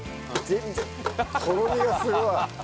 全然とろみがすごい。